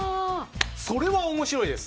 それは面白いです！